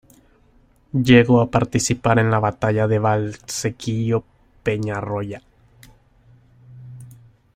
Llegó a participar en la batalla de Valsequillo-Peñarroya.